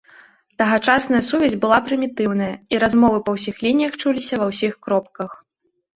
Тагачасная сувязь была прымітыўная, і размовы па ўсіх лініях чуліся ва ўсіх кропках.